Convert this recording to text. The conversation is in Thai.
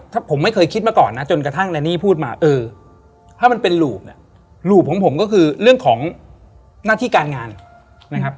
ถ้าผมไม่เคยคิดมาก่อนนะจนกระทั่งแลนี่พูดมาเออถ้ามันเป็นรูปเนี่ยหลูบของผมก็คือเรื่องของหน้าที่การงานนะครับ